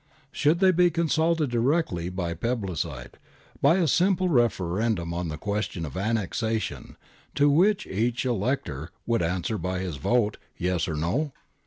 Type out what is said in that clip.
Should they be consulted directly by plebiscite, by a simple referendum on the question of annexation, to which each elector could answer by his vote, ' yes ' or ' no